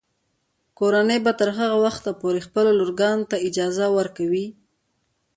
کورنۍ به تر هغه وخته پورې خپلو لورګانو ته اجازه ورکوي.